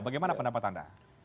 bagaimana pendapat anda